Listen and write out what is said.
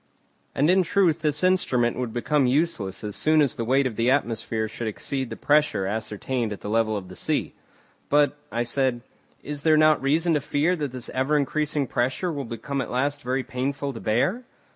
And in truth this instrument would become useless as soon as the weight of the atmosphere should exceed the pressure ascertained at the level of the sea. "But," I said, "is there not reason to fear that this ever increasing pressure will become at last very painful to bear?"